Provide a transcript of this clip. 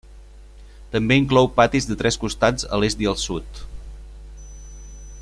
També inclou patis de tres costats a l'est i al sud.